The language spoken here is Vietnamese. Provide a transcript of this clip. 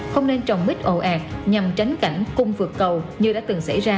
không nên trồng mít ồ ạt nhằm tránh cảnh cung vượt cầu như đã từng xảy ra